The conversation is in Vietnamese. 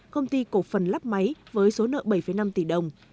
công ty cổ phần lắp máy với số nợ bảy năm tỷ đồng